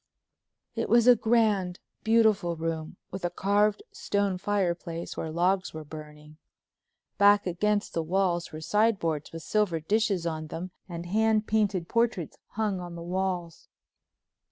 It was a grand, beautiful room with a carved stone fireplace where logs were burning. Back against the walls were sideboards with silver dishes on them and hand painted portraits hung on the walls.